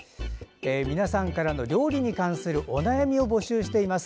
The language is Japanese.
皆さんからの料理に関するお悩みを募集しています。